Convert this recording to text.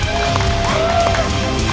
tiga dua satu